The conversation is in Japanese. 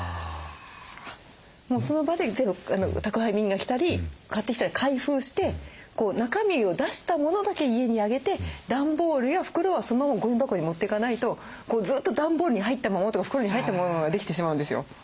もうその場で全部宅配便が来たり買ってきたら開封して中身を出したモノだけ家に上げて段ボールや袋はそのままゴミ箱に持っていかないとこうずっと段ボールに入ったままとか袋に入ったモノができてしまうんですよ。